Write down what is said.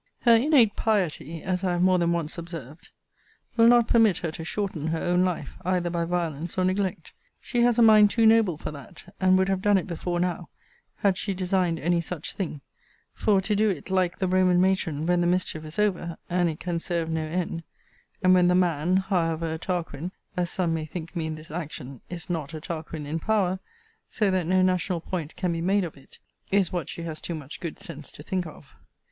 Her innate piety (as I have more than once observed) will not permit her to shorten her own life, either by violence or neglect. She has a mind too noble for that; and would have done it before now, had she designed any such thing: for to do it, like the Roman matron, when the mischief is over, and it can serve no end; and when the man, however a Tarquin, as some may think me in this action, is not a Tarquin in power, so that no national point can be made of it; is what she has too much good sense to think of.